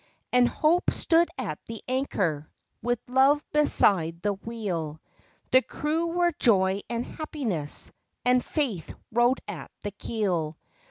And Hope stood at the anchor, With Love beside the wheel; The crew were Joy and Happiness, And Faith rode at the keel.